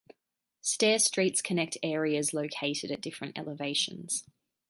Stair streets connect areas located at different elevations.